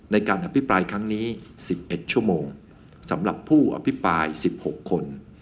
ในการอภิปรายครั้งนี้๑๑ชั่วโมงสำหรับผู้อภิปราย๑๖คน